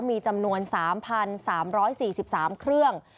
มีจำนวน๓๓๔๓เครื่อง